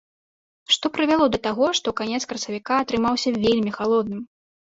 Што прывяло да таго, што канец красавіка атрымаўся вельмі халодным?